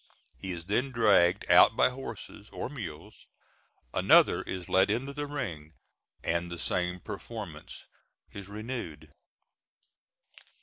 He is then dragged out by horses or mules, another is let into the ring, and the same performance is renewed.